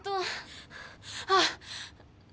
あっ。